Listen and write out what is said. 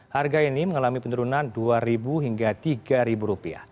harga ini mengalami penurunan rp dua hingga rp tiga